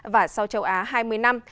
và sau châu á hai mươi năm